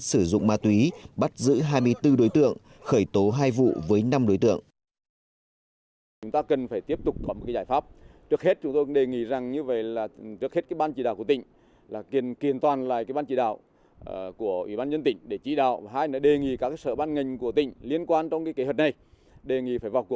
sử dụng ma túy bắt giữ hai mươi bốn đối tượng khởi tố hai vụ với năm đối tượng